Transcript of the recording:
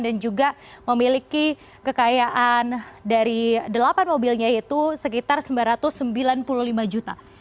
dan juga memiliki kekayaan dari delapan mobilnya yaitu sekitar sembilan ratus sembilan puluh lima juta